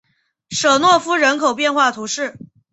舍诺夫人口变化图示